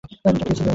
ওটা কে ছিল, অ্যাব?